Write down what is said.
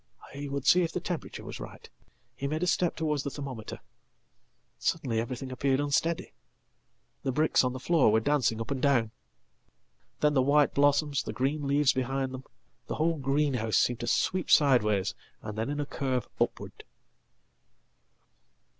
He would see if the temperature was right. He made a step towards thethermometer. Suddenly everything appeared unsteady. The bricks on thefloor were dancing up and down. Then the white blossoms, the green leavesbehind them, the whole greenhouse, seemed to sweep sideways, and then in acurve upward.